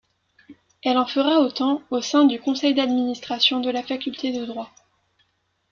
Elle en fera autant au sein du conseil d’administration de la faculté de Droit.